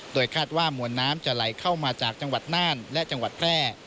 โดยคาดว่ามวลน้ำจะไหลเข้ามาจากจังหวัดน่านและจังหวัดแพร่